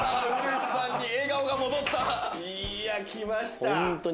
いやきました